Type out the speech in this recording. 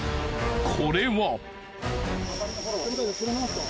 これは？